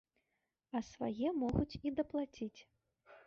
А свае могуць і даплаціць.